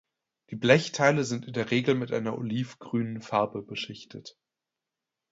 Die Blechteile sind in der Regel mit einer olivgrünen Farbe beschichtet.